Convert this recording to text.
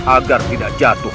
agar tidak jatuh